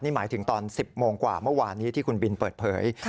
นี่หมายถึงตอน๑๐โมงกว่าเมื่อวานนี้ที่คุณบินเปิดเผย